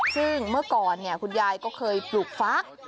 ซึ่งเมื่อก่อนคุณยายก็เคยปลูกฟ้า